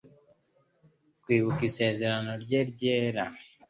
Kwibuka isezerano Rye ryera